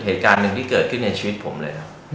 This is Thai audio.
เหตุการณ์หนึ่งที่เกิดขึ้นในชีวิตผมเลยนะ